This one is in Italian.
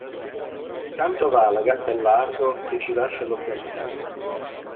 Tanto va la gatta al lardo che ci lascia lo zampino.